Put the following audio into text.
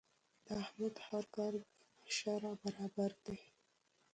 د احمد هر کار د په شرعه برابر دی.